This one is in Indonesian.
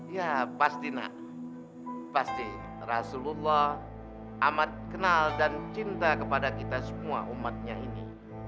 ya pasti nak pasti rasulullah amat kenal dan cinta kepada kita semua umatnya ini